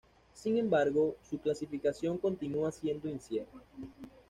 Sin embargo, su clasificación continúa siendo incierta.